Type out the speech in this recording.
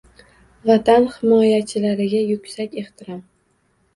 Vatan himoyachilariga yuksak ehtirom